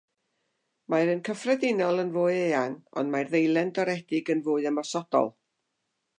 Mae'r un cyffredinol yn fwy eang, ond mae'r ddeilen doredig yn fwy ymosodol.